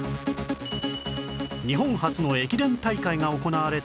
日本初の駅伝大会が行われた